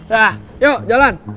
yah yuk jalan